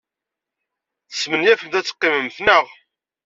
Tesmenyafemt ad teqqimemt, naɣ?